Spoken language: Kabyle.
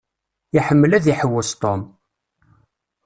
Iḥemmel ad iḥewwes Tom.